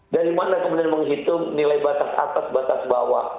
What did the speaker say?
dari mana kemudian menghitung nilai batas atas batas bawah